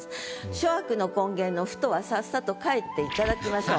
諸悪の根源の「ふと」はさっさと帰っていただきましょう。